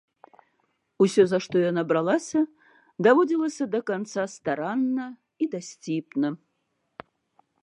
Усё, за што яна бралася, даводзілася да канца старанна і дасціпна.